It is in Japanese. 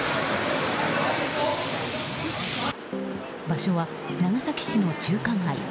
場所は長崎市の中華街。